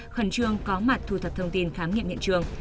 khẩn trương có mặt thu thập thông tin khám nghiệm hiện trường